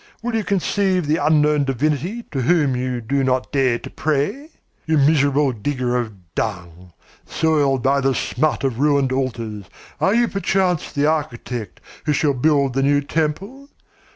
Will you conceive the unknown divinity to whom you do not dare to pray? You miserable digger of dung, soiled by the smut of ruined altars, are you perchance the architect who shall build the new temple?